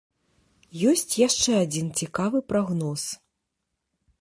Ёсць яшчэ адзін цікавы прагноз.